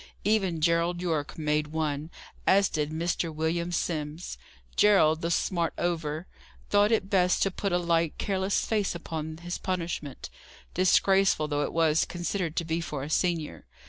Even Gerald Yorke made one, as did Mr. William Simms. Gerald, the smart over, thought it best to put a light, careless face upon his punishment, disgraceful though it was considered to be for a senior.